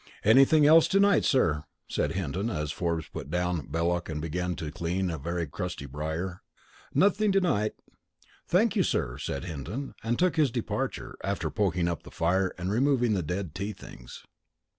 "Anything else to night, sir?" said Hinton, as Forbes put down Belloc and began to clean a very crusty briar. "Nothing to night." "Thank you, sir," said Hinton and took his departure, after poking up the fire and removing the dead tea things.